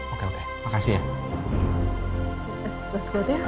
oke oke makasih ya